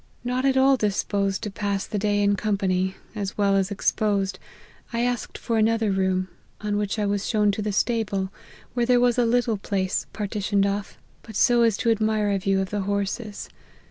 Not at all dis posed to pass the day in company, as well as ex posed, I asked for another room ; on which I was shown to the stable, where there was a little place partitioned off, but so as to admit a view of the horses.